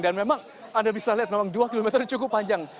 dan memang anda bisa lihat memang dua km cukup panjang